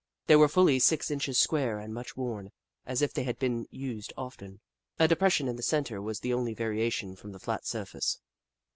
They were fully six inches square and much worn, as if they had been used often. A depression in the centre was the only variation from the flat surface.